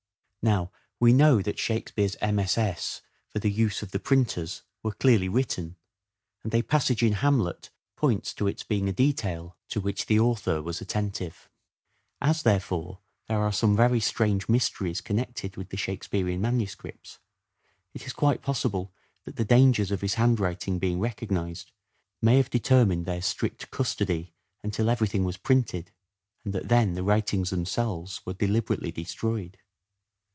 Now we know that Shakespeare's MSS. for the use of the printers were clearly written, and a passage in " Hamlet " points to its being a detail to which the author was attentive. As, there fore, there are some very strange mysteries connected with the Shakespearean manuscripts, it is quite possible that the dangers of his handwriting being recognized may have determined their strict custody until everything was printed, and that then the writings themselves were deliberately destroyed.